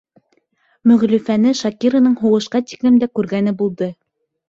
Мөғлифәне Шакираның һуғышҡа тиклем дә күргәне булды.